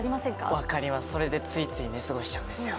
分かります、それでついつい寝過ごしちゃいますよ。